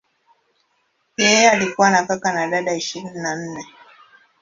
Yeye alikuwa na kaka na dada ishirini na nne.